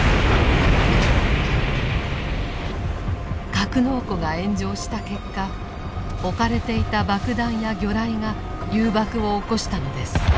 格納庫が炎上した結果置かれていた爆弾や魚雷が誘爆を起こしたのです。